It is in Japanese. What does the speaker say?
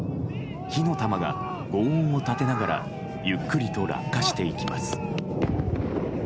火の玉が轟音を立てながらゆっくりと落下していきます。